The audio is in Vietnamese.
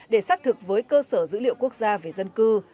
để xác thực với cơ sở dữ liệu quốc gia về dân cư